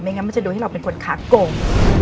งั้นมันจะโดนให้เราเป็นคนขาโก่ง